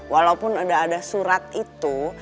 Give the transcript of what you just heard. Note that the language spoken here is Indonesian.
walaupun sudah ada surat itu